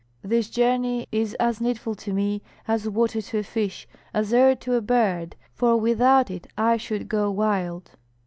This journey is as needful to me, as water to a fish, as air to a bird, for without it I should go wild."